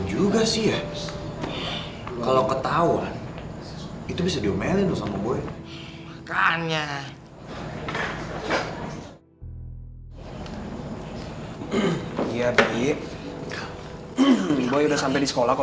jangan lupa like share dan subscribe ya